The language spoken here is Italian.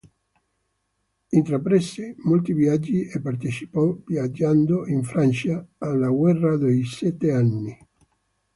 Intraprese molti viaggi e partecipò, viaggiando in Francia, alla guerra dei sette anni.